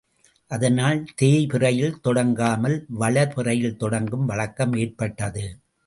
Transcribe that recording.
அதனால், தேய் பிறையில் தொடங்காமல் வளர் பிறையில் தொடங்கும் வழக்கம் ஏற்பட்டது.